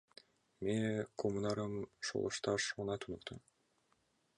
Ме коммунарым шолышташ она туныкто.